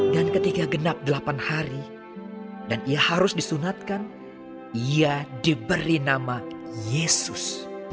dan ketika genap delapan hari dan ia harus disunatkan ia diberi nama yesus